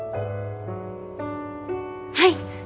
はい！